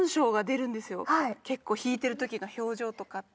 結構弾いてる時の表情とかって。